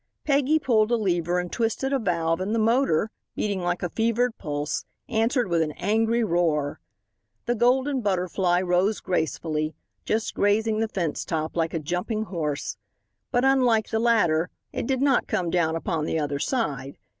Peggy pulled a lever and twisted a valve, and the motor, beating like a fevered pulse, answered with an angry roar. The Golden Butterfly rose gracefully, just grazing the fence top, like a jumping horse. But, unlike the latter, it did not come down upon the other side.